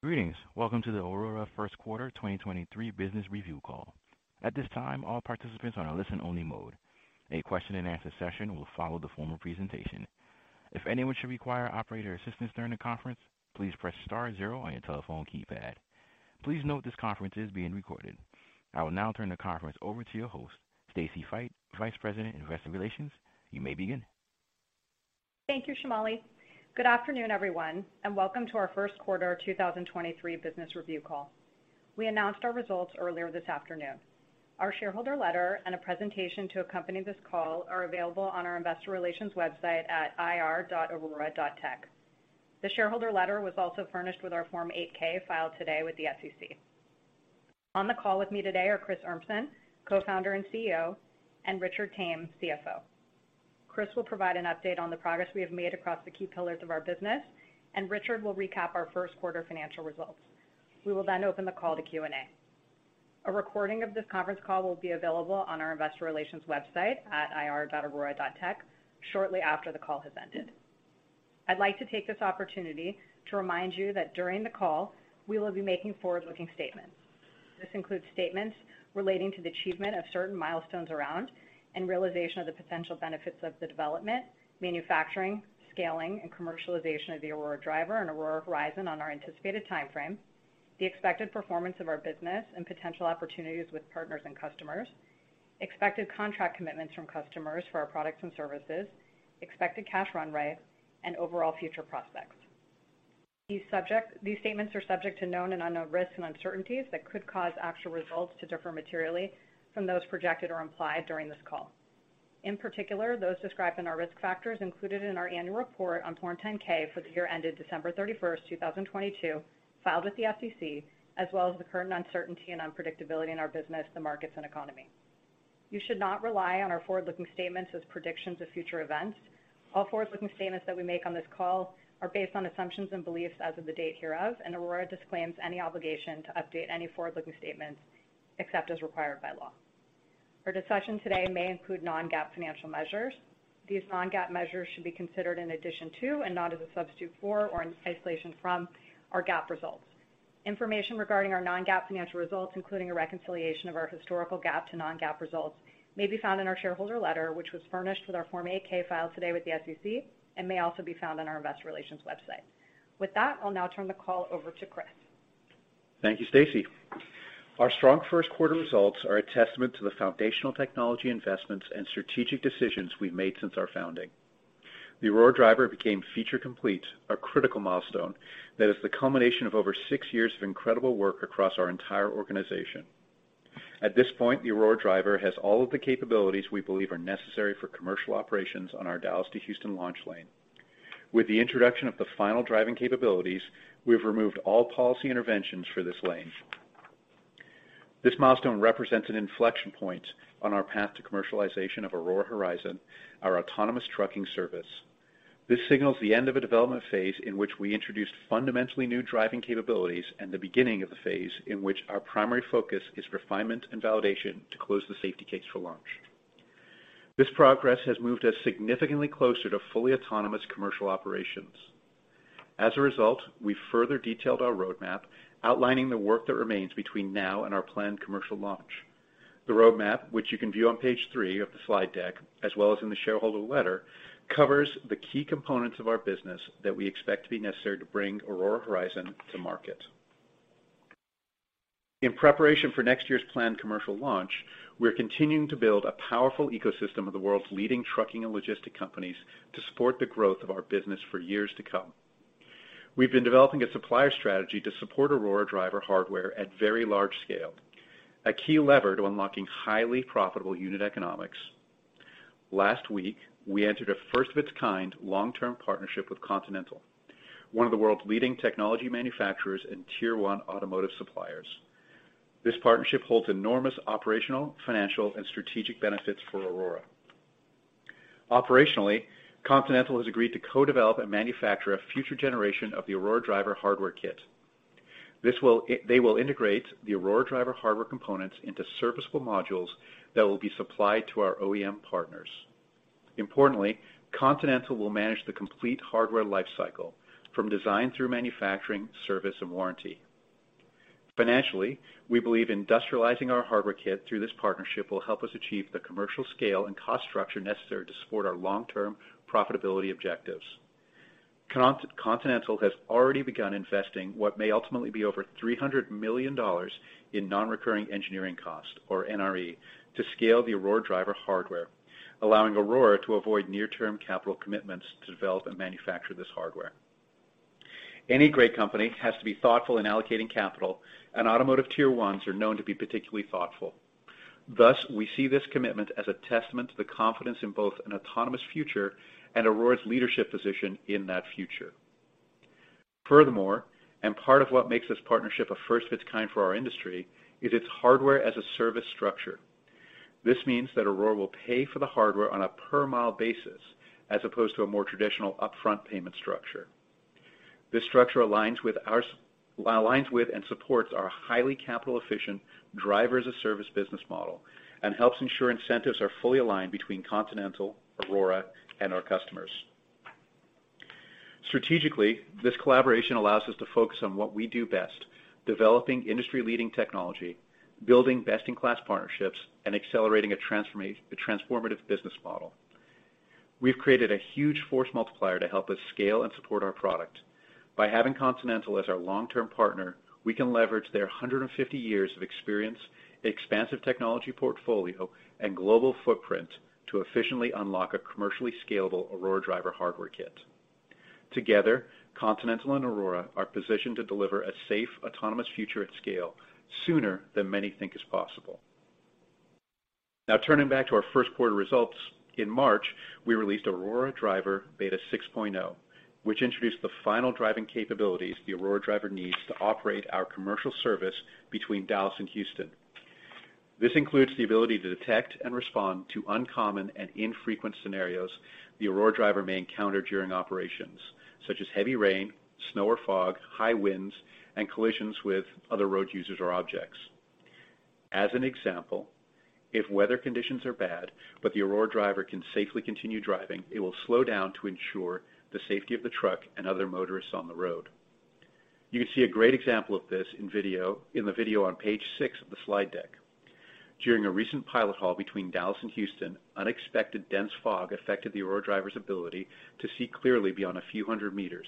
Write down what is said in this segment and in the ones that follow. Greetings. Welcome to the Aurora Q1 2023 Business Review Call. At this time, all participants are on a listen-only mode. A question-and-answer session will follow the formal presentation. If anyone should require operator assistance during the conference, please press star zero on your telephone keypad. Please note this conference is being recorded. I will now turn the conference over to your host, Stacy Feit, Vice President, Investor Relations. You may begin. Thank you, Shamali. Good afternoon, everyone, welcome to our 2023 business review call. We announced our results earlier this afternoon. Our shareholder letter and a presentation to accompany this call are available on our investor relations website at ir.aurora.tech. The shareholder letter was also furnished with our Form 8-K filed today with the SEC. On the call with me today are Chris Urmson, Co-founder and CEO, and Richard Tame, CFO. Chris will provide an update on the progress we have made across the key pillars of our business, and Richard will recap our financial results. We will open the call to Q&A. A recording of this conference call will be available on our investor relations website at ir.aurora.tech shortly after the call has ended. I'd like to take this opportunity to remind you that during the call, we will be making forward-looking statements. This includes statements relating to the achievement of certain milestones around and realization of the potential benefits of the development, manufacturing, scaling, and commercialization of the Aurora Driver and Aurora Horizon on our anticipated timeframe, the expected performance of our business and potential opportunities with partners and customers, expected contract commitments from customers for our products and services, expected cash run rate, and overall future prospects. These statements are subject to known and unknown risks and uncertainties that could cause actual results to differ materially from those projected or implied during this call. In particular, those described in our risk factors included in our annual report on Form 10-K for the year ended December 31, 2022, filed with the SEC, as well as the current uncertainty and unpredictability in our business, the markets, and economy. You should not rely on our forward-looking statements as predictions of future events. All forward-looking statements that we make on this call are based on assumptions and beliefs as of the date hereof, and Aurora disclaims any obligation to update any forward-looking statements except as required by law. Our discussion today may include non-GAAP financial measures. These non-GAAP measures should be considered in addition to and not as a substitute for or in isolation from our GAAP results. Information regarding our non-GAAP financial results, including a reconciliation of our historical GAAP to non-GAAP results, may be found in our shareholder letter, which was furnished with our Form 8-K filed today with the SEC and may also be found on our investor relations website. With that, I'll now turn the call over to Chris. Thank you, Stacy. Our strong results are a testament to the foundational technology investments and strategic decisions we've made since our founding. The Aurora Driver became Feature Complete, a critical milestone that is the culmination of over six years of incredible work across our entire organization. At this point, the Aurora Driver has all of the capabilities we believe are necessary for commercial operations on our Dallas to Houston launch lane. With the introduction of the final driving capabilities, we've removed all policy interventions for this lane. This milestone represents an inflection point on our path to commercialization of Aurora Horizon, our autonomous trucking service. This signals the end of a development phase in which we introduced fundamentally new driving capabilities and the beginning of the phase in which our primary focus is refinement and validation to close the Safety Case for launch. This progress has moved us significantly closer to fully autonomous commercial operations. As a result, we further detailed our roadmap, outlining the work that remains between now and our planned commercial launch. The roadmap, which you can view on page 3 of the slide deck as well as in the shareholder letter, covers the key components of our business that we expect to be necessary to bring Aurora Horizon to market. In preparation for next year's planned commercial launch, we're continuing to build a powerful ecosystem of the world's leading trucking and logistic companies to support the growth of our business for years to come. We've been developing a supplier strategy to support Aurora Driver hardware at very large scale, a key lever to unlocking highly profitable unit economics. Last week, we entered a first of its kind long-term partnership with Continental, one of the world's leading technology manufacturers and tier one automotive suppliers. This partnership holds enormous operational, financial, and strategic benefits for Aurora. Operationally, Continental has agreed to co-develop and manufacture a future generation of the Aurora Driver hardware kit. They will integrate the Aurora Driver hardware components into serviceable modules that will be supplied to our OEM partners. Importantly, Continental will manage the complete hardware lifecycle from design through manufacturing, service, and warranty. Financially, we believe industrializing our hardware kit through this partnership will help us achieve the commercial scale and cost structure necessary to support our long-term profitability objectives. Continental has already begun investing what may ultimately be over $300 million in non-recurring engineering costs, or NRE, to scale the Aurora Driver hardware, allowing Aurora to avoid near-term capital commitments to develop and manufacture this hardware. Any great company has to be thoughtful in allocating capital, and automotive tier ones are known to be particularly thoughtful. Thus, we see this commitment as a testament to the confidence in both an autonomous future and Aurora's leadership position in that future. Furthermore, and part of what makes this partnership a first of its kind for our industry, is its hardware-as-a-service structure. This means that Aurora will pay for the hardware on a per-mile basis as opposed to a more traditional upfront payment structure. This structure aligns with and supports our highly capital-efficient Driver-as-a-Service business model and helps ensure incentives are fully aligned between Continental, Aurora, and our customers. Strategically, this collaboration allows us to focus on what we do best, developing industry-leading technology, building best-in-class partnerships, and accelerating a transformative business model. We've created a huge force multiplier to help us scale and support our product. By having Continental as our long-term partner, we can leverage their 150 years of experience, expansive technology portfolio and global footprint to efficiently unlock a commercially scalable Aurora Driver hardware kit. Together, Continental and Aurora are positioned to deliver a safe, autonomous future at scale sooner than many think is possible. Now, turning back to our Q1 results, in March, we released Aurora Driver Beta 6.0, which introduced the final driving capabilities the Aurora Driver needs to operate our commercial service between Dallas and Houston. This includes the ability to detect and respond to uncommon and infrequent scenarios the Aurora Driver may encounter during operations, such as heavy rain, snow or fog, high winds, and collisions with other road users or objects. As an example, if weather conditions are bad but the Aurora Driver can safely continue driving, it will slow down to ensure the safety of the truck and other motorists on the road. You can see a great example of this in the video on page six of the slide deck. During a recent pilot haul between Dallas and Houston, unexpected dense fog affected the Aurora Driver's ability to see clearly beyond a few hundred meters.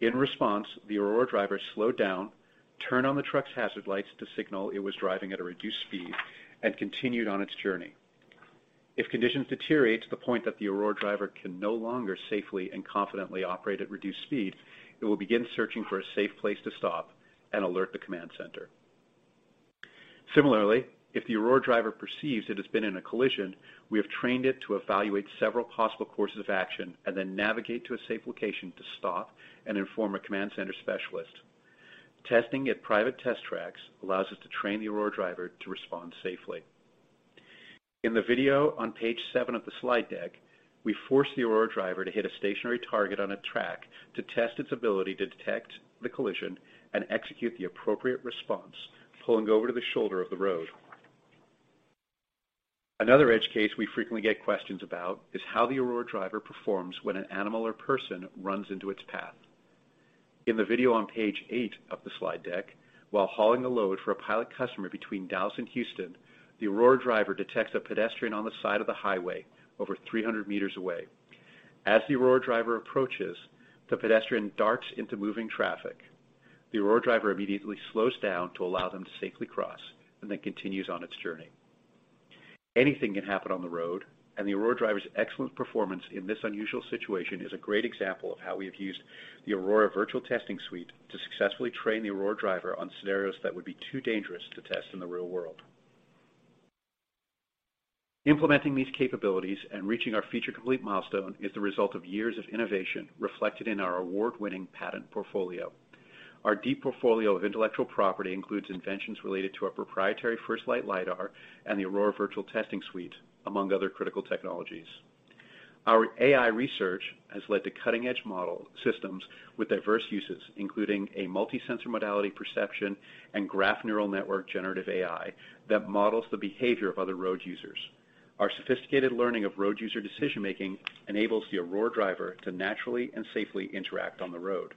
In response, the Aurora Driver slowed down, turned on the truck's hazard lights to signal it was driving at a reduced speed and continued on its journey. If conditions deteriorate to the point that the Aurora Driver can no longer safely and confidently operate at reduced speed, it will begin searching for a safe place to stop and alert the command center. Similarly, if the Aurora Driver perceives it has been in a collision, we have trained it to evaluate several possible courses of action and then navigate to a safe location to stop and inform a command center specialist. Testing at private test tracks allows us to train the Aurora Driver to respond safely. In the video on page seven of the slide deck, we force the Aurora Driver to hit a stationary target on a track to test its ability to detect the collision and execute the appropriate response, pulling over to the shoulder of the road. Another edge case we frequently get questions about is how the Aurora Driver performs when an animal or person runs into its path. In the video on page eight of the slide deck, while hauling a load for a pilot customer between Dallas and Houston, the Aurora Driver detects a pedestrian on the side of the highway over 300 meters away. As the Aurora Driver approaches, the pedestrian darts into moving traffic. The Aurora Driver immediately slows down to allow them to safely cross and then continues on its journey. Anything can happen on the road, and the Aurora Driver's excellent performance in this unusual situation is a great example of how we have used the Aurora Virtual Testing Suite to successfully train the Aurora Driver on scenarios that would be too dangerous to test in the real world. Implementing these capabilities and reaching our Feature Complete milestone is the result of years of innovation reflected in our award-winning patent portfolio. Our deep portfolio of intellectual property includes inventions related to our proprietary FirstLight LiDAR and the Aurora Virtual Testing Suite, among other critical technologies. Our AI research has led to cutting-edge model systems with diverse uses, including a multi-sensor modality perception and graph neural network generative AI that models the behavior of other road users. Our sophisticated learning of road user decision-making enables the Aurora Driver to naturally and safely interact on the road.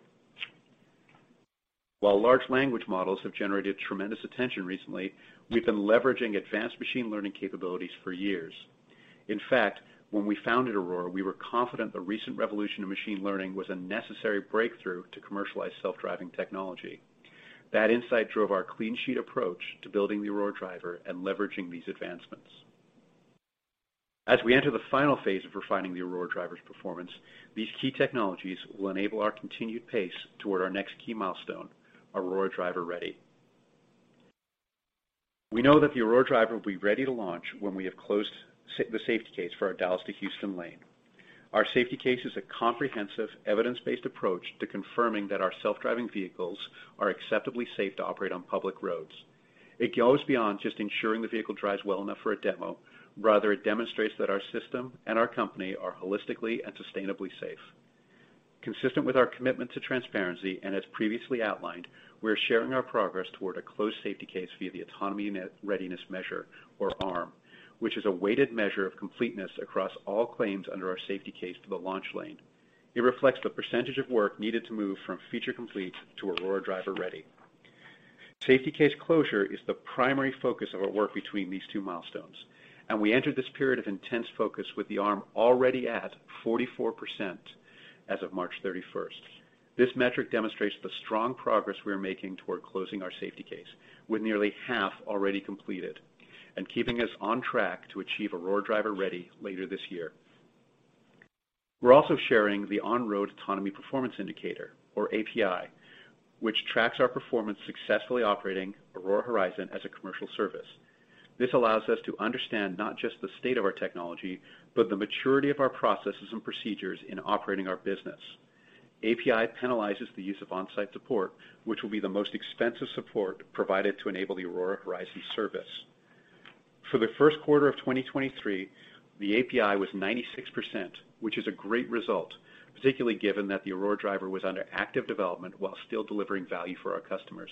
While large language models have generated tremendous attention recently, we've been leveraging advanced machine learning capabilities for years. In fact, when we founded Aurora, we were confident the recent revolution in machine learning was a necessary breakthrough to commercialize self-driving technology. That insight drove our clean sheet approach to building the Aurora Driver and leveraging these advancements. As we enter the final phase of refining the Aurora Driver's performance, these key technologies will enable our continued pace toward our next key milestone, Aurora Driver Ready. We know that the Aurora Driver will be ready to launch when we have closed the safety case for our Dallas to Houston lane. Our safety case is a comprehensive, evidence-based approach to confirming that our self-driving vehicles are acceptably safe to operate on public roads. It goes beyond just ensuring the vehicle drives well enough for a demo. Rather, it demonstrates that our system and our company are holistically and sustainably safe. Consistent with our commitment to transparency and as previously outlined, we are sharing our progress toward a closed Safety Case via the Autonomy Readiness Measure or ARM, which is a weighted measure of completeness across all claims under our Safety Case for the launch lane. It reflects the percentage of work needed to move from Feature Complete to Aurora Driver Ready. Safety Case closure is the primary focus of our work between these two milestones, and we entered this period of intense focus with the ARM already at 44% as of March 31st. This metric demonstrates the strong progress we are making toward closing our Safety Case with nearly half already completed and keeping us on track to achieve Aurora Driver Ready later this year. We're also sharing the On-road Autonomy Performance Indicator or API, which tracks our performance successfully operating Aurora Horizon as a commercial service. This allows us to understand not just the state of our technology, but the maturity of our processes and procedures in operating our business. API penalizes the use of on-site support, which will be the most expensive support provided to enable the Aurora Horizon service. For the of 2023, the API was 96%, which is a great result, particularly given that the Aurora Driver was under active development while still delivering value for our customers.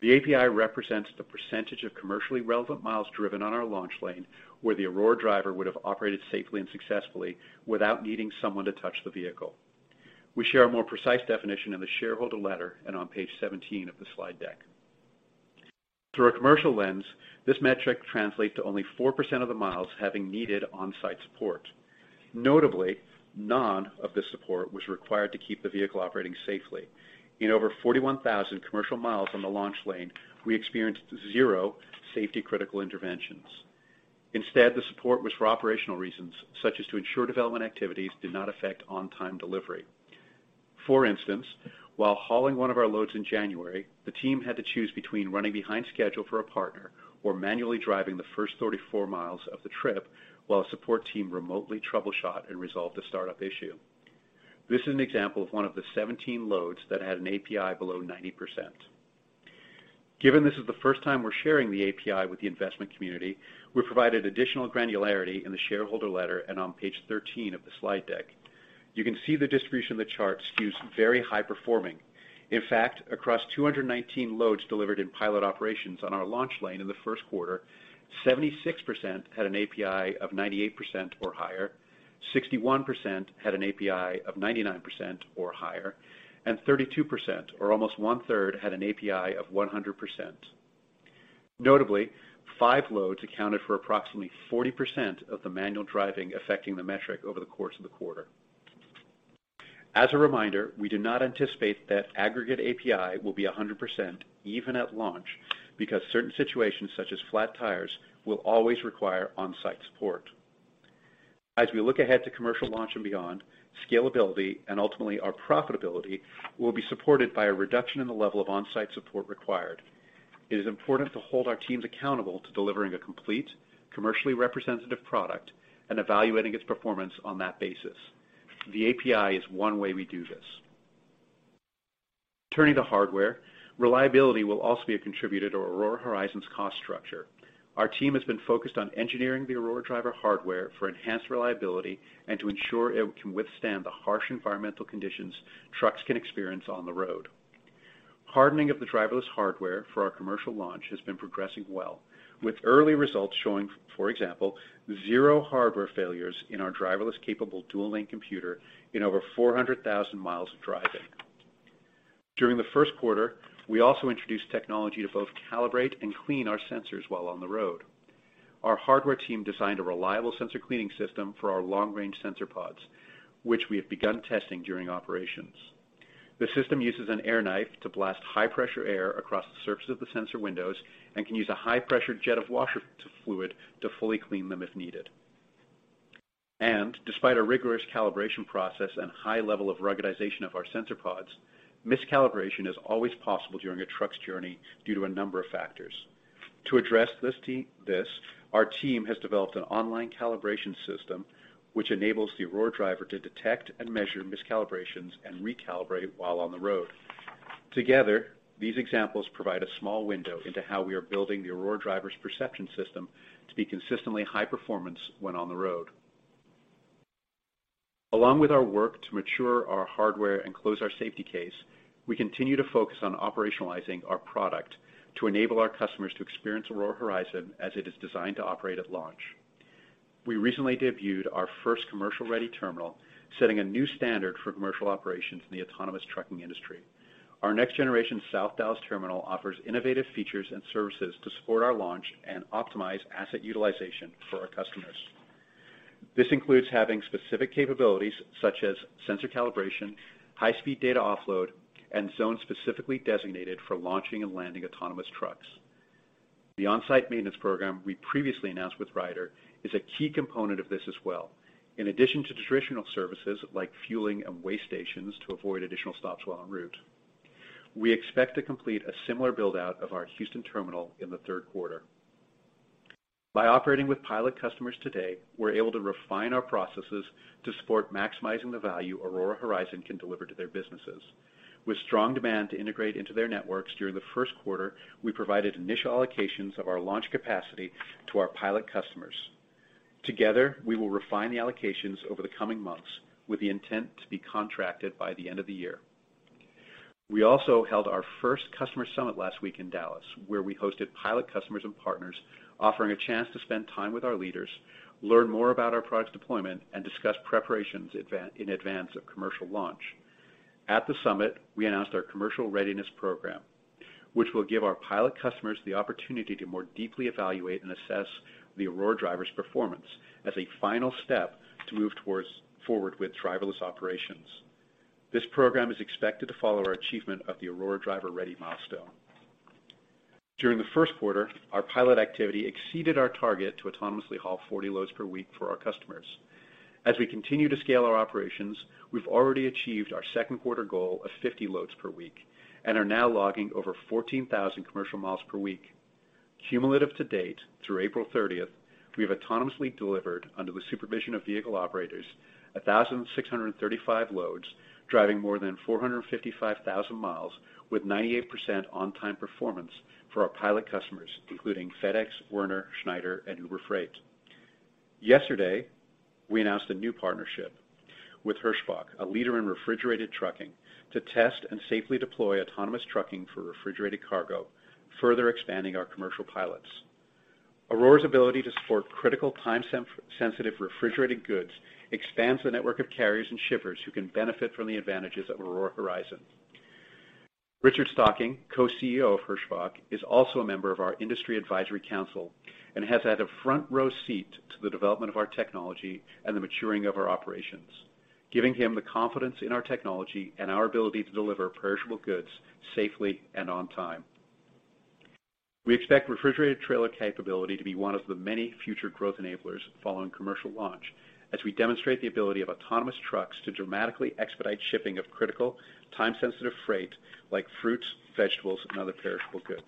The API represents the percentage of commercially relevant miles driven on our launch lane where the Aurora Driver would have operated safely and successfully without needing someone to touch the vehicle. We share a more precise definition in the shareholder letter and on page 17 of the slide deck. Through a commercial lens, this metric translates to only 4% of the miles having needed on-site support. Notably, none of the support was required to keep the vehicle operating safely. In over 41,000 commercial miles on the launch lane, we experienced 0 safety-critical interventions. Instead, the support was for operational reasons, such as to ensure development activities did not affect on-time delivery. For instance, while hauling one of our loads in January, the team had to choose between running behind schedule for a partner or manually driving the first 34 miles of the trip while a support team remotely troubleshot and resolved a startup issue. This is an example of one of the 17 loads that had an API below 90%. Given this is the first time we're sharing the API with the investment community, we provided additional granularity in the shareholder letter and on page 13 of the slide deck. You can see the distribution of the chart skews very high performing. In fact, across 219 loads delivered in pilot operations on our launch lane in the, 76% had an API of 98% or higher, 61% had an API of 99% or higher, and 32% or almost one-third had an API of 100%. Notably, 5 loads accounted for approximately 40% of the manual driving affecting the metric over the course of the quarter. As a reminder, we do not anticipate that aggregate API will be 100% even at launch because certain situations, such as flat tires will always require on-site support. As we look ahead to commercial launch and beyond, scalability and ultimately our profitability will be supported by a reduction in the level of on-site support required. It is important to hold our teams accountable to delivering a complete commercially representative product and evaluating its performance on that basis. The API is one way we do this. Turning to hardware, reliability will also be a contributor to Aurora Horizon's cost structure. Our team has been focused on engineering the Aurora Driver hardware for enhanced reliability and to ensure it can withstand the harsh environmental conditions trucks can experience on the road. Hardening of the driverless hardware for our commercial launch has been progressing well, with early results showing, for example, zero hardware failures in our driverless-capable dual-lane computer in over 400,000 miles of driving. During the Q1, we also introduced technology to both calibrate and clean our sensors while on the road. Our hardware team designed a reliable sensor cleaning system for our long-range sensor pods, which we have begun testing during operations. The system uses an air knife to blast high-pressure air across the surface of the sensor windows and can use a high-pressure jet of washer fluid to fully clean them if needed. Despite a rigorous calibration process and high level of ruggedization of our sensor pods, miscalibration is always possible during a truck's journey due to a number of factors. To address this, our team has developed an online calibration system which enables the Aurora Driver to detect and measure miscalibrations and recalibrate while on the road. Together, these examples provide a small window into how we are building the Aurora Driver's perception system to be consistently high performance when on the road. Along with our work to mature our hardware and close our Safety Case, we continue to focus on operationalizing our product to enable our customers to experience Aurora Horizon as it is designed to operate at launch. We recently debuted our first commercial ready terminal, setting a new standard for commercial operations in the autonomous trucking industry. Our next generation South Dallas terminal offers innovative features and services to support our launch and optimize asset utilization for our customers. This includes having specific capabilities such as sensor calibration, high-speed data offload, and zones specifically designated for launching and landing autonomous trucks. The on-site maintenance program we previously announced with Ryder is a key component of this as well. In addition to traditional services like fueling and weigh stations to avoid additional stops while en route, we expect to complete a similar build-out of our Houston terminal in the Q3. By operating with pilot customers today, we're able to refine our processes to support maximizing the value Aurora Horizon can deliver to their businesses. With strong demand to integrate into their networks during the Q1, we provided initial allocations of our launch capacity to our pilot customers. Together, we will refine the allocations over the coming months with the intent to be contracted by the end of the year. We also held our first customer summit last week in Dallas, where we hosted pilot customers and partners offering a chance to spend time with our leaders, learn more about our product deployment, and discuss preparations in advance of commercial launch. At the summit, we announced our Commercial Readiness Program, which will give our pilot customers the opportunity to more deeply evaluate and assess the Aurora Driver's performance as a final step to move forward with driverless operations. This program is expected to follow our achievement of the Aurora Driver Ready milestone. During the, our pilot activity exceeded our target to autonomously haul 40 loads per week for our customers. We continue to scale our operations, we've already achieved our Q2 goal of 50 loads per week and are now logging over 14,000 commercial miles per week. Cumulative to date through April 30th, we have autonomously delivered, under the supervision of vehicle operators, 1,635 loads, driving more than 455,000 miles with 98% on-time performance for our pilot customers, including FedEx, Werner, Schneider, and Uber Freight. Yesterday, we announced a new partnership with Hirschbach, a leader in refrigerated trucking, to test and safely deploy autonomous trucking for refrigerated cargo, further expanding our commercial pilots. Aurora's ability to support critical time-sensitive refrigerated goods expands the network of carriers and shippers who can benefit from the advantages of Aurora Horizon. Richard Stocking, Co-CEO of Hirschbach, is also a member of our industry advisory council and has had a front row seat to the development of our technology and the maturing of our operations, giving him the confidence in our technology and our ability to deliver perishable goods safely and on time. We expect refrigerated trailer capability to be one of the many future growth enablers following commercial launch as we demonstrate the ability of autonomous trucks to dramatically expedite shipping of critical, time-sensitive freight, like fruits, vegetables, and other perishable goods.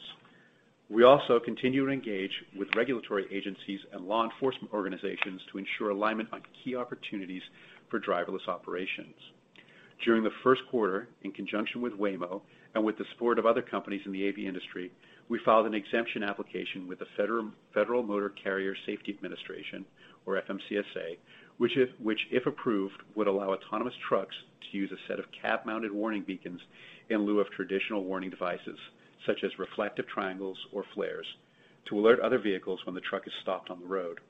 We also continue to engage with regulatory agencies and law enforcement organizations to ensure alignment on key opportunities for driverless operations. During the Q1, in conjunction with Waymo and with the support of other companies in the AV industry, we filed an exemption application with the Federal Motor Carrier Safety Administration, or FMCSA, which, if approved, would allow autonomous trucks to use a set of cab mounted warning beacons in lieu of traditional warning devices, such as reflective triangles or flares, to alert other vehicles when the truck is stopped on the road.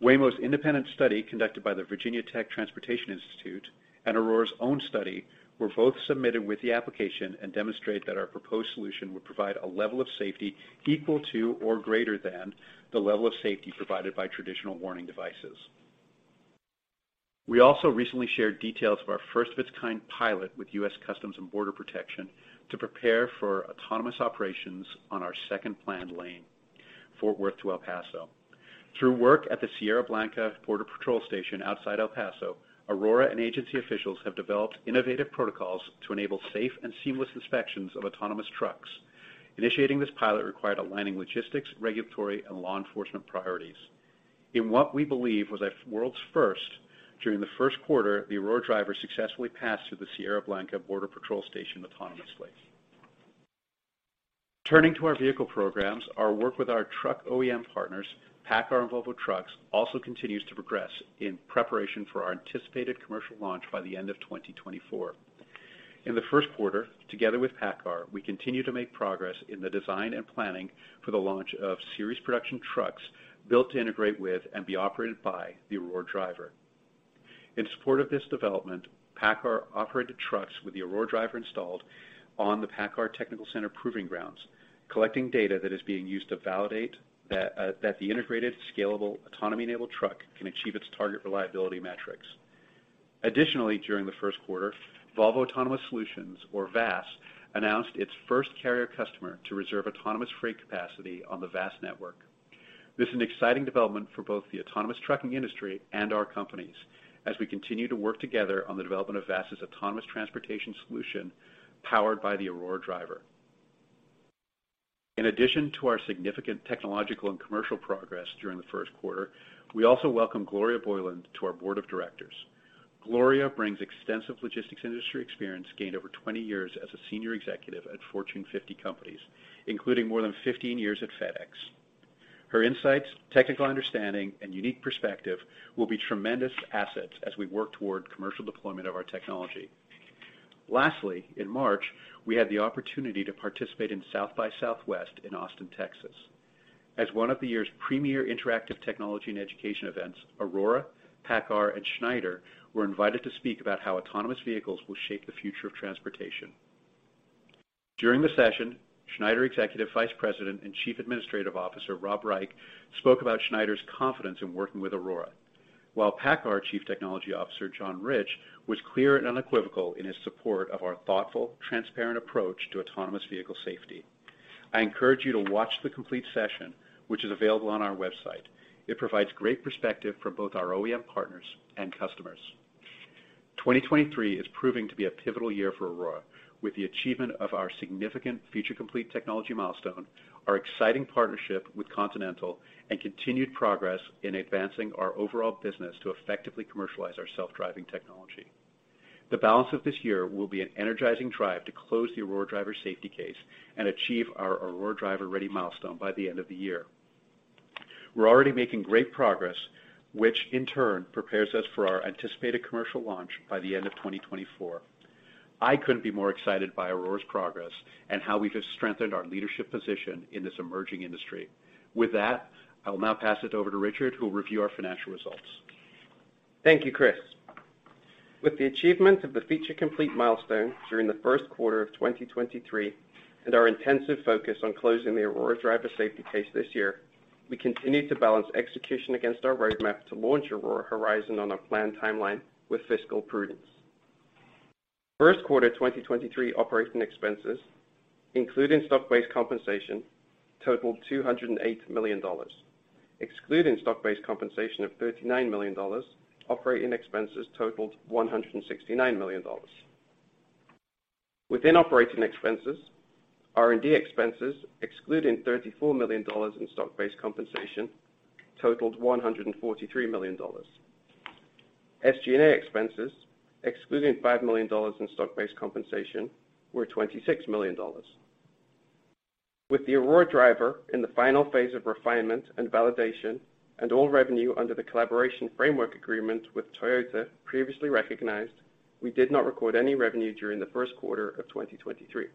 Waymo's independent study, conducted by the Virginia Tech Transportation Institute, and Aurora's own study were both submitted with the application and demonstrate that our proposed solution would provide a level of safety equal to or greater than the level of safety provided by traditional warning devices. We also recently shared details of our first of its kind pilot with U.S. Customs and Border Protection to prepare for autonomous operations on our second planned lane, Fort Worth to El Paso. Through work at the Sierra Blanca Border Patrol Station outside El Paso, Aurora and agency officials have developed innovative protocols to enable safe and seamless inspections of autonomous trucks. Initiating this pilot required aligning logistics, regulatory, and law enforcement priorities. In what we believe was a world's first, during the, the Aurora Driver successfully passed through the Sierra Blanca Border Patrol Station autonomously. Turning to our vehicle programs, our work with our truck OEM partners, PACCAR and Volvo Trucks, also continues to progress in preparation for our anticipated commercial launch by the end of 2024. In the Q1, together with PACCAR, we continue to make progress in the design and planning for the launch of series production trucks built to integrate with and be operated by the Aurora Driver. In support of this development, PACCAR operated trucks with the Aurora Driver installed on the PACCAR Technical Center proving grounds, collecting data that is being used to validate that the integrated scalable autonomy-enabled truck can achieve its target reliability metrics. During the, Volvo Autonomous Solutions, or VAS, announced its first carrier customer to reserve autonomous freight capacity on the VAS network. This is an exciting development for both the autonomous trucking industry and our companies as we continue to work together on the development of Volvo Autonomous Solutions' autonomous transportation solution powered by the Aurora Driver. In addition to our significant technological and commercial progress during the, we also welcome Gloria Boyland to our board of directors. Gloria brings extensive logistics industry experience gained over 20 years as a senior executive at Fortune 50 companies, including more than 15 years at FedEx. Her insights, technical understanding, and unique perspective will be tremendous assets as we work toward commercial deployment of our technology. Lastly, in March, we had the opportunity to participate in South by Southwest in Austin, Texas. As one of the year's premier interactive technology and education events, Aurora, PACCAR, and Schneider were invited to speak about how autonomous vehicles will shape the future of transportation. During the session, Schneider Executive Vice President and Chief Administrative Officer Rob Reich spoke about Schneider's confidence in working with Aurora. While PACCAR Chief Technology Officer John Rich was clear and unequivocal in his support of our thoughtful, transparent approach to autonomous vehicle safety. I encourage you to watch the complete session, which is available on our website. It provides great perspective from both our OEM partners and customers. 2023 is proving to be a pivotal year for Aurora with the achievement of our significant Feature Complete technology milestone, our exciting partnership with Continental, and continued progress in advancing our overall business to effectively commercialize our self-driving technology. The balance of this year will be an energizing drive to close the Aurora Driver Safety Case and achieve our Aurora Driver Ready milestone by the end of the year. We're already making great progress, which in turn prepares us for our anticipated commercial launch by the end of 2024. I couldn't be more excited by Aurora's progress and how we have strengthened our leadership position in this emerging industry. With that, I will now pass it over to Richard, who will review our financial results. Thank you, Chris. With the achievement of the Feature Complete milestone during the Q1 of 2023 and our intensive focus on closing the Aurora Driver Safety Case this year, we continue to balance execution against our roadmap to launch Aurora Horizon on a planned timeline with fiscal prudence. Q1 2023 operating expenses, including stock-based compensation, totaled $208 million. Excluding stock-based compensation of $39 million, operating expenses totaled $169 million. Within operating expenses, R&D expenses, excluding $34 million in stock-based compensation, totaled $143 million. SG&A expenses, excluding $5 million in stock-based compensation, were $26 million. With the Aurora Driver in the final phase of refinement and validation and all revenue under the collaboration framework agreement with Toyota previously recognized, we did not record any revenue during the of 2023.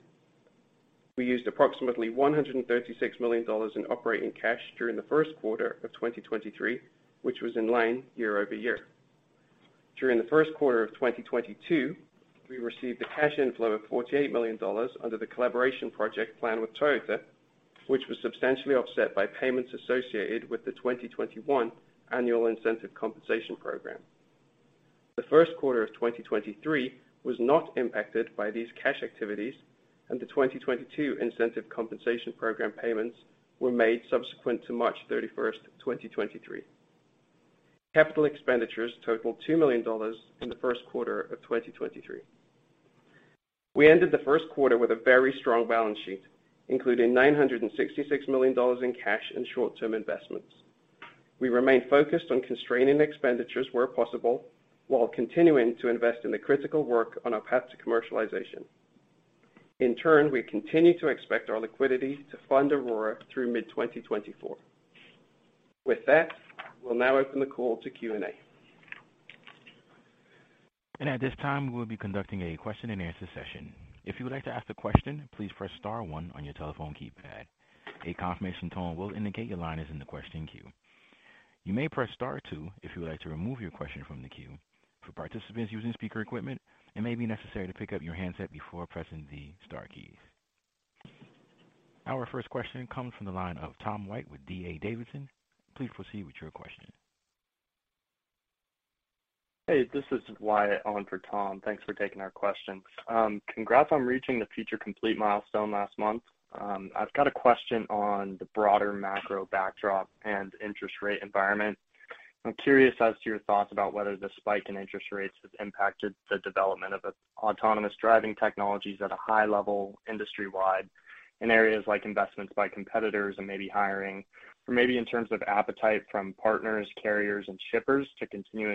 We used approximately $136 million in operating cash during the Q1 of 2023, which was in line year-over-year. During the Q1 of 2022, we received a cash inflow of $48 million under the collaboration project plan with Toyota, which was substantially offset by payments associated with the 2021 annual incentive compensation program. The Q1 of 2023 was not impacted by these cash activities, and the 2022 incentive compensation program payments were made subsequent to March thirty-first, 2023. Capital expenditures totaled $2 million in the Q1 of 2023. We ended the Q1 with a very strong balance sheet, including $966 million in cash and short-term investments. We remain focused on constraining expenditures where possible while continuing to invest in the critical work on our path to commercialization. In turn, we continue to expect our liquidity to fund Aurora through mid-2024. With that, we'll now open the call to Q&A. At this time, we'll be conducting a question-and-answer session. If you would like to ask a question, please press star 1 on your telephone keypad. A confirmation tone will indicate your line is in the question queue. You may press star two if you would like to remove your question from the queue. For participants using speaker equipment, it may be necessary to pick up your handset before pressing the star keys. Our first question comes from the line of Tom White with D.A. Davidson. Please proceed with your question. Hey, this is Wyatt on for Tom. Thanks for taking our question. Congrats on reaching the Feature Complete milestone last month. I've got a question on the broader macro backdrop and interest rate environment. I'm curious as to your thoughts about whether the spike in interest rates has impacted the development of the autonomous driving technologies at a high level industry-wide in areas like investments by competitors and maybe hiring, or maybe in terms of appetite from partners, carriers, and shippers to continue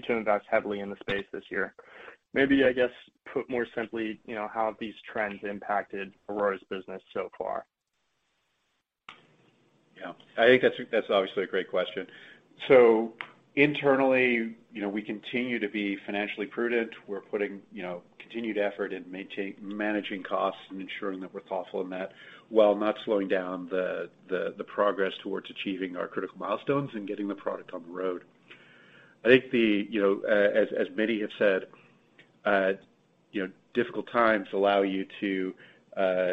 to invest heavily in the space this year. Maybe, I guess, put more simply, you know, how have these trends impacted Aurora's business so far? Yeah. I think that's obviously a great question. Internally, you know, we continue to be financially prudent. We're putting, you know, continued effort in managing costs and ensuring that we're thoughtful in that, while not slowing down the progress towards achieving our critical milestones and getting the product on the road. I think the, you know, as many have said, you know, difficult times allow you to,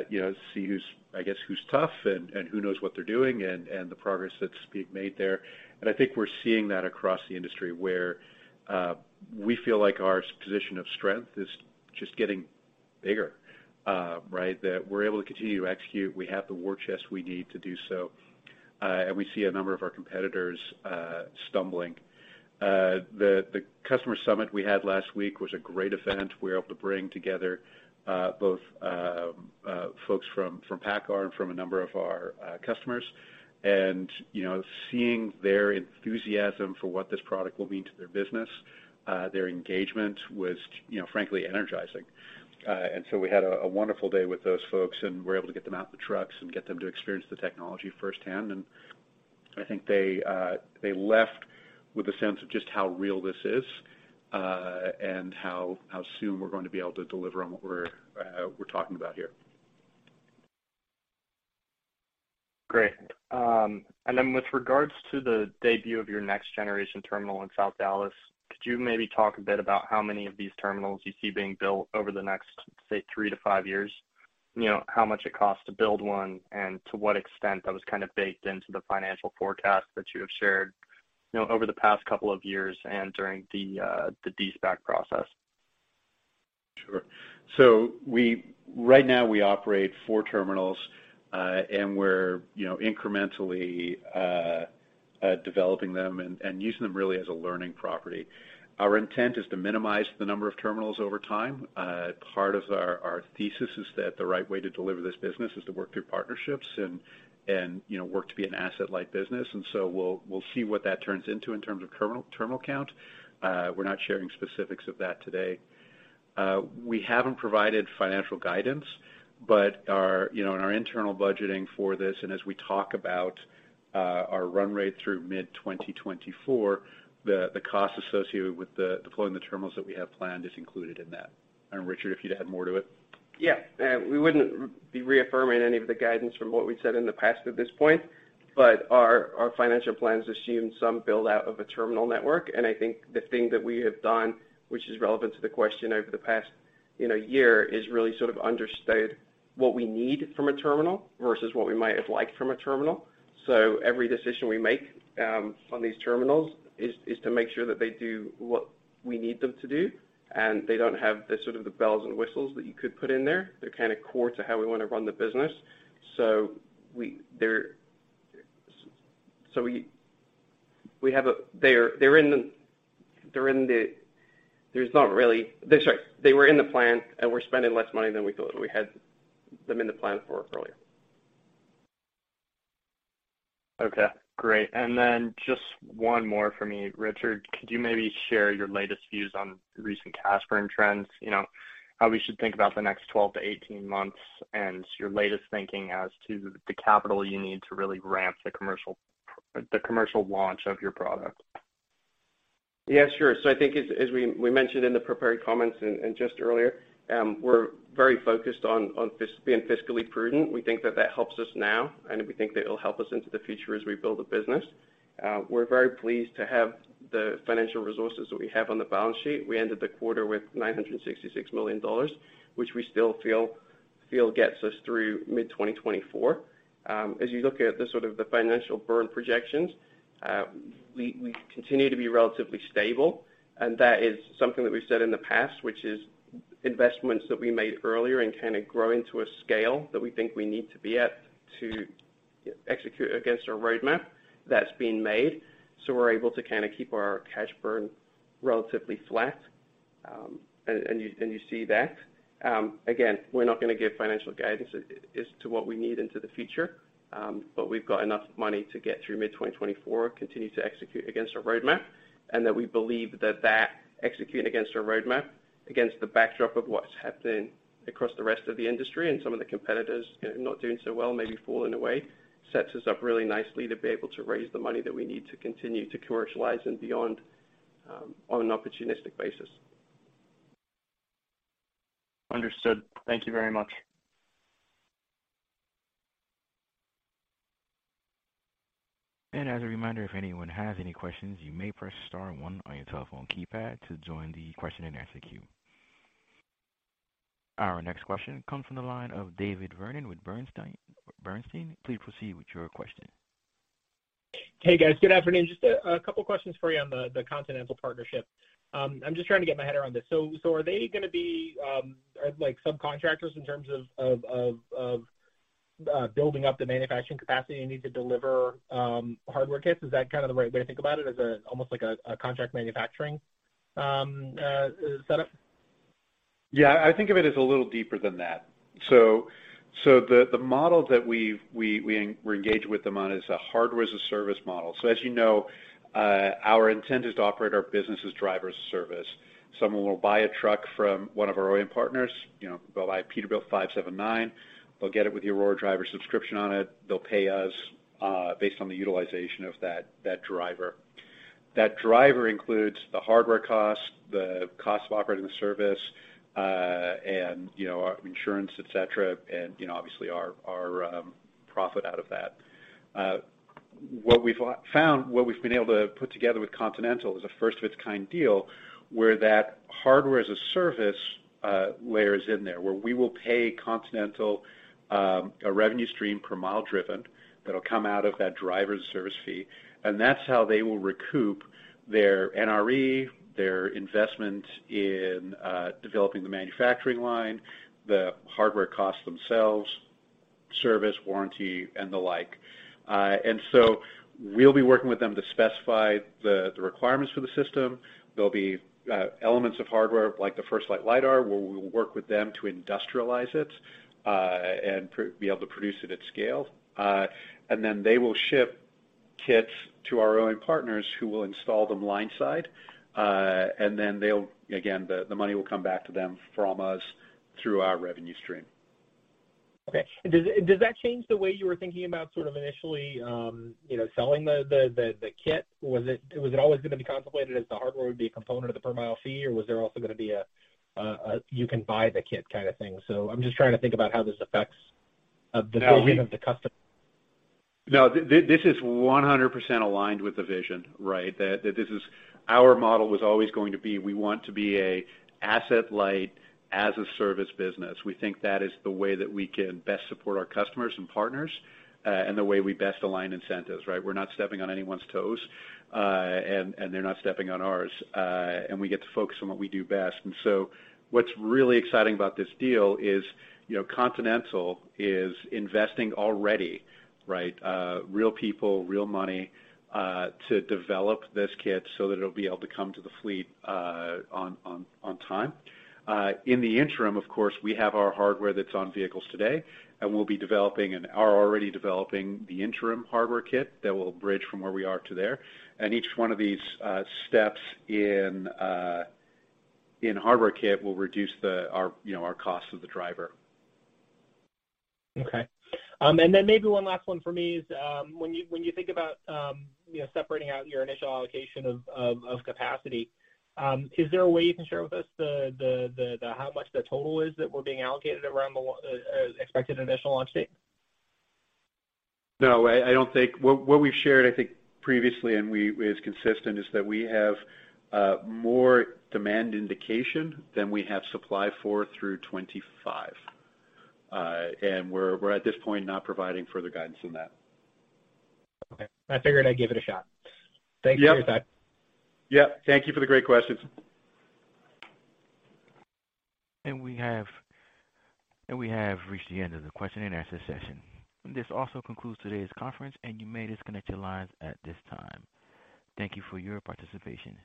you know, see who's, I guess, who's tough and who knows what they're doing and the progress that's being made there. I think we're seeing that across the industry where, we feel like our position of strength is just getting bigger, right? That we're able to continue to execute. We have the war chest we need to do so. We see a number of our competitors, stumbling. The customer summit we had last week was a great event. We were able to bring together, both, folks from PACCAR and from a number of our customers. You know, seeing their enthusiasm for what this product will mean to their business, their engagement was, you know, frankly energizing. So we had a wonderful day with those folks, and we're able to get them out in the trucks and get them to experience the technology firsthand. I think they left with a sense of just how real this is, and how soon we're going to be able to deliver on what we're talking about here. Great. With regards to the debut of your next generation terminal in South Dallas, could you maybe talk a bit about how many of these terminals you see being built over the next, say, three to five years? You know, how much it costs to build one and to what extent that was kinda baked into the financial forecast that you have shared, you know, over the past couple of years and during the de-SPAC process. Sure. Right now, we operate four terminals, and we're, you know, incrementally developing them and using them really as a learning property. Our intent is to minimize the number of terminals over time. Part of our thesis is that the right way to deliver this business is to work through partnerships and, you know, work to be an asset-light business. We'll see what that turns into in terms of terminal count. We're not sharing specifics of that today. We haven't provided financial guidance, but our, you know, in our internal budgeting for this and as we talk about our run rate through mid-2024, the cost associated with deploying the terminals that we have planned is included in that. Richard, if you'd add more to it. Yeah. We wouldn't be reaffirming any of the guidance from what we've said in the past at this point, but our financial plans assume some build-out of a terminal network. I think the thing that we have done, which is relevant to the question over the past, you know, year, is really sort of understood what we need from a terminal versus what we might have liked from a terminal. Every decision we make on these terminals is to make sure that they do what we need them to do, and they don't have the sort of the bells and whistles that you could put in there. They're kinda core to how we wanna run the business. There's not really... Sorry. They were in the plan, and we're spending less money than we thought we had them in the plan for earlier. Okay, great. Just one more for me, Richard. Could you maybe share your latest views on recent cash burn trends, you know, how we should think about the next 12 to 18 months, and your latest thinking as to the capital you need to really ramp the commercial launch of your product? Yeah, sure. I think as we mentioned in the prepared comments and just earlier, we're very focused on being fiscally prudent. We think that that helps us now, and we think that it'll help us into the future as we build the business. We're very pleased to have the financial resources that we have on the balance sheet. We ended the quarter with $966 million, which we still feel gets us through mid-2024. As you look at the sort of the financial burn projections, we continue to be relatively stable, and that is something that we've said in the past, which is investments that we made earlier and kinda growing to a scale that we think we need to be at to execute against our roadmap that's been made. We're able to kind of keep our cash burn relatively flat. You see that. Again, we're not going to give financial guidance as to what we need into the future, but we've got enough money to get through mid-2024, continue to execute against our roadmap, and that we believe that executing against our roadmap, against the backdrop of what's happening across the rest of the industry and some of the competitors, you know, not doing so well, maybe falling away, sets us up really nicely to be able to raise the money that we need to continue to commercialize and beyond, on an opportunistic basis. Understood. Thank you very much. As a reminder, if anyone has any questions, you may press star one on your telephone keypad to join the question-and-answer queue. Our next question comes from the line of David Vernon with Bernstein. Please proceed with your question. Hey, guys. Good afternoon. Just a couple questions for you on the Continental partnership. I'm just trying to get my head around this. Are they gonna be like subcontractors in terms of building up the manufacturing capacity you need to deliver hardware kits? Is that kinda the right way to think about it, as almost like a contract manufacturing setup? Yeah, I think of it as a little deeper than that. The model that we're engaged with them on is a Hardware-as-a-Service model. As you know, our intent is to operate our business as Driver-as-a-Service. Someone will buy a truck from one of our OEM partners, you know, they'll buy a Peterbilt 579. They'll get it with the Aurora Driver subscription on it. They'll pay us based on the utilization of that driver. That driver includes the hardware costs, the cost of operating the service, and, you know, insurance, et cetera, and, you know, obviously our profit out of that. What we've found, what we've been able to put together with Continental is a first of its kind deal where that hardware as a service layer is in there, where we will pay Continental a revenue stream per mile driven that'll come out of that driver's service fee. That's how they will recoup their NRE, their investment in developing the manufacturing line, the hardware costs themselves, service, warranty, and the like. We'll be working with them to specify the requirements for the system. There'll be elements of hardware, like the FirstLight LiDAR, where we will work with them to industrialize it and be able to produce it at scale. They will ship kits to our OEM partners who will install them line side. They'll, again, the money will come back to them from us through our revenue stream. Okay. Does that change the way you were thinking about sort of initially, you know, selling the kit? Was it always gonna be contemplated as the hardware would be a component of the per mile fee, or was there also gonna be a you can buy the kit kinda thing? I'm just trying to think about how this affects the No. -delivery of the custom- No, this is 100% aligned with the vision, right? That this is our model was always going to be, we want to be a asset light as a service business. We think that is the way that we can best support our customers and partners, and the way we best align incentives, right? We're not stepping on anyone's toes, and they're not stepping on ours. We get to focus on what we do best. What's really exciting about this deal is, you know, Continental is investing already, right, real people, real money, to develop this kit so that it'll be able to come to the fleet, on time. In the interim, of course, we have our hardware that's on vehicles today, and we'll be developing and are already developing the interim hardware kit that will bridge from where we are to there. Each one of these steps in hardware kit will reduce the, our, you know, our cost of the Driver. Okay. Maybe one last one for me is, when you, when you think about, you know, separating out your initial allocation of capacity, is there a way you can share with us the how much the total is that we're being allocated around the expected initial launch date? No, I don't think. What we've shared, I think, previously, and we, is consistent is that we have more demand indication than we have supply for through 25. We're at this point not providing further guidance than that. Okay. I figured I'd give it a shot. Yep. Thank you for your time. Yep. Thank you for the great questions. We have reached the end of the question-and-answer session. This also concludes today's conference, and you may disconnect your lines at this time. Thank you for your participation.